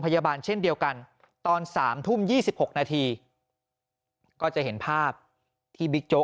พยาบาลเช่นเดียวกันตอน๓ทุ่ม๒๖นาทีก็จะเห็นภาพที่บิ๊กโจ๊